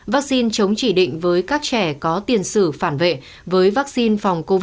vaccine chống chỉ định với các trẻ có tiền sử phản vệ với vaccine phòng covid một mươi chín